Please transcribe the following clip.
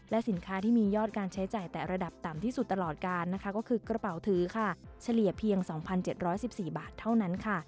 สินค้าที่มียอดการใช้จ่ายแต่ระดับต่ำที่สุดตลอดการนะคะก็คือกระเป๋าถือค่ะเฉลี่ยเพียง๒๗๑๔บาทเท่านั้นค่ะ